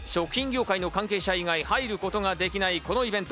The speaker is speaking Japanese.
食品業界の関係者以外入ることができない